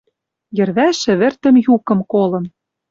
Йӹрвӓш ӹвӹртӹм юкым колын: